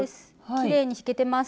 きれいに引けてます。